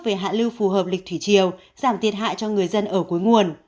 về hạ lưu phù hợp lịch thủy chiều giảm thiệt hại cho người dân ở cuối nguồn